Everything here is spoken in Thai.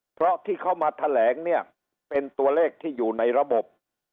เพราะที่เขามาแถลงเนี่ยเป็นตัวเลขที่อยู่ในระบบ